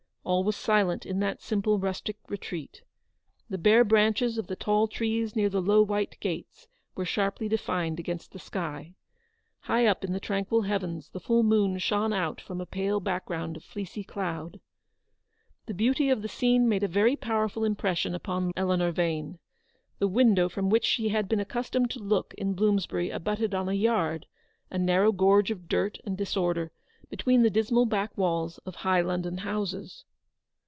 All was silent in that simple rustic retreat. The bare branches of the tall trees near the low white gates were sharply defined against the sky. High up in the tranquil heavens the full moon shone out from a pale background of fleecy cloud. The beauty of the scene made a very powerful impression upon Eleanor Yane. The window from which she had been accustomed to look in Blooms bury abutted on a yard, a narrow gorge of dirt and disorder, between the dismal back walls of high London houses.